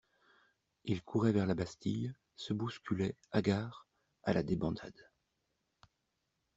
Ils couraient vers la Bastille, se bousculaient, hagards, à la débandade.